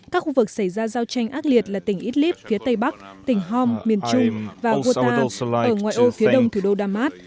các khu vực xảy ra giao tranh ác liệt là tỉnh idlib phía tây bắc tỉnh horm miền trung và qatar ở ngoại ô phía đông thủ đô đam mát